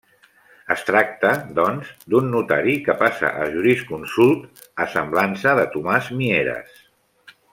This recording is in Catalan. Es tracta, doncs, d'un notari que passa a jurisconsult, a semblança de Tomàs Mieres.